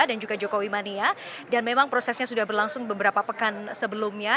dan memang prosesnya sudah berlangsung beberapa pekan sebelumnya